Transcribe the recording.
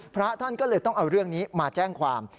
พระท่านก็เลยต้องเอาเรื่องนี้มาแจ้งความ